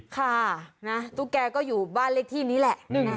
ค่ะตุ๊กแกก็อยู่บ้านเลขที่นี้แหละ